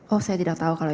oh saya tidak tahu kalau itu